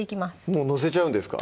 もう載せちゃうんですか？